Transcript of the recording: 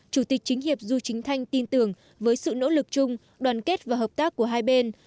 chủ tịch chính hiệp du chính thanh tin tưởng với sự nỗ lực chung đoàn kết và hợp tác của hai bên